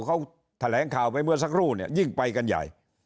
เขาแถลงข่าวไปเมื่อสักครู่เนี่ยยิ่งไปกันใหญ่